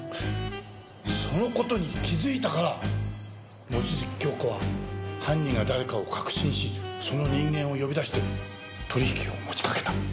その事に気づいたから望月京子は犯人が誰かを確信しその人間を呼び出して取引を持ちかけた。